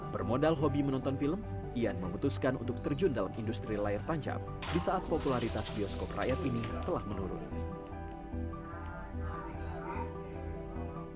bermodal hobi menonton film ian memutuskan untuk terjun dalam industri layar tancap di saat popularitas bioskop rakyat ini telah menurun